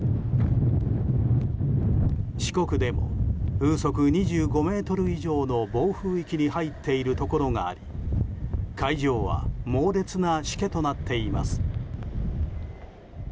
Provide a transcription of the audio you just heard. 四国でも風速２５メートル以上の暴風域に入っているところがあり海上は猛烈なしけとなっています。